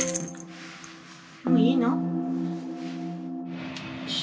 もういいの？